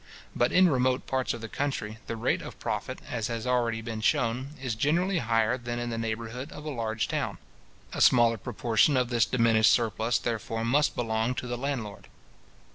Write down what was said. But in remote parts of the country, the rate of profit, as has already been shewn, is generally higher than in the neighbourhood of a large town. A smaller proportion of this diminished surplus, therefore, must belong to the landlord.